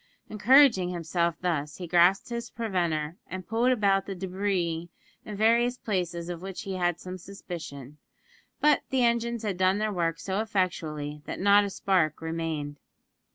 Encouraging himself thus, he grasped his preventer, and pulled about the debris in various places of which he had some suspicion; but the engines had done their work so effectually that not a spark remained.